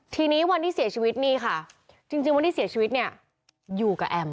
ทีนี้วันที่เสียชีวิตนี่ค่ะจริงวันที่เสียชีวิตเนี่ยอยู่กับแอม